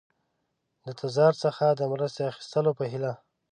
د تزار څخه د مرستې اخیستلو په هیله.